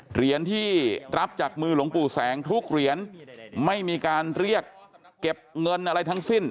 เหรียญที่รับจากมือหลวงปู่แสงทุกเหรียญไม่มีการเรียกเก็บเงินอะไรทั้งสิ้น